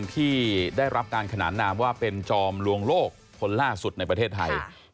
ที่ได้รับการขนานนามว่าเป็นจอมลวงโลกคนล่าสุดในประเทศไทย